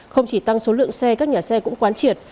không chỉ tăng số lượng xe các nhà xe cũng quán triệt